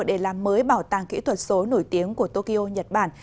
để làm mới bảo tàng kỹ thuật số nổi tiếng của tokyo nhật bản